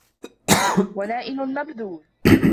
وَنَائِلٌ مَبْذُولٌ